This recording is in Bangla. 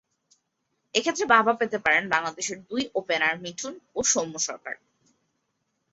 এ ক্ষেত্রে বাহবা পেতে পারেন বাংলাদেশের দুই ওপেনার মিঠুন ও সৌম্য সরকার।